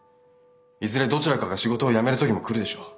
いずれどちらかが仕事をやめる時も来るでしょう。